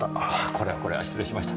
これはこれは失礼しました。